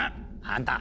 あんた！